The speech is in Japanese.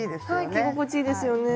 はい着心地いいですよね。